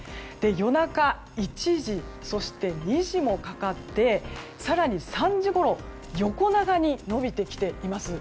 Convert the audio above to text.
夜中、１時そして２時もかかって更に３時ごろ横長に伸びてきています。